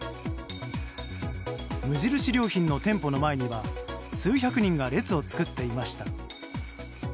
無印良品の店舗の前には数百人が列を作っていました。